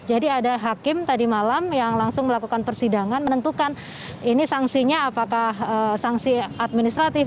jadi ada hakim tadi malam yang langsung melakukan persidangan menentukan ini sanksinya apakah sanksi administratif